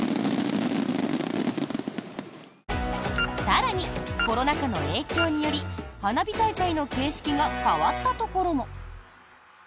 更に、コロナ禍の影響により花火大会の形式が変わったところも。